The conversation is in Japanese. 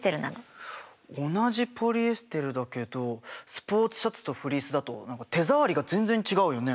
同じポリエステルだけどスポーツシャツとフリースだと何か手触りが全然違うよね？